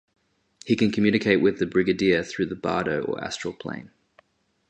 He can communicate with the Brigadier through the "bardo" or astral plane.